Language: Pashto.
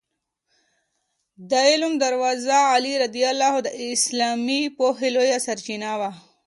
د علم دروازه علي رض د اسلامي پوهې لویه سرچینه وه.